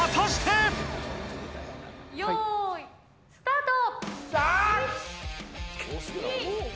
よーい、スタート。